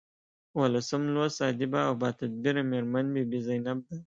اوولسم لوست ادیبه او باتدبیره میرمن بي بي زینب ده.